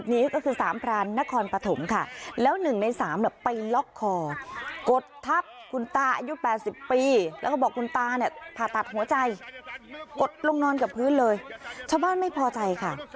นี้ก็คือสามพรานนครปฐมค่ะแล้ว๑ใน๓ไปล็อกคอกดทับคุณตาอายุ๘๐ปีแล้วก็บอกคุณตาเนี่ยผ่าตัดหัวใจกดลงนอนกับพื้นเลยชาวบ้านไม่พอใจค่ะ